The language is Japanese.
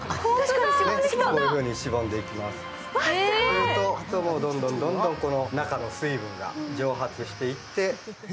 すると、あとはどんどん中の水分が蒸発していって。